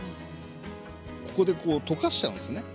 ここで溶かしちゃうんですね。